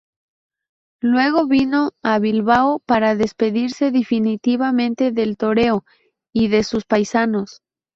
Luego vino a Bilbao para despedirse definitivamente del toreo y de sus paisanos.